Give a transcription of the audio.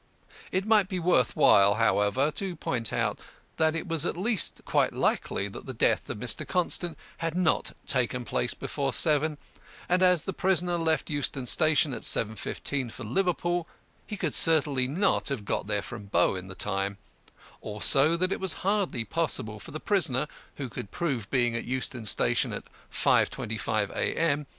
It might be worth while, however, to point out that it was at least quite likely that the death of Mr. Constant had not taken place before seven, and as the prisoner left Euston Station at 7.15 A.M. for Liverpool, he could certainly not have got there from Bow in the time; also that it was hardly possible for the prisoner, who could prove being at Euston Station at 5.25 A.M.